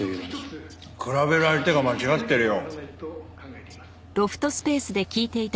比べる相手が間違ってるよ。